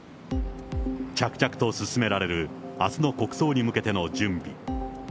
着々と進められるあすの国葬に向けての準備。